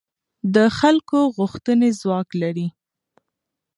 د خلکو غوښتنې ځواک لري